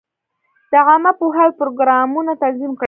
د عامه پوهاوي پروګرامونه تنظیم کړي.